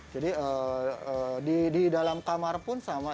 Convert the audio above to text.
jadi di dalam kamar pun sama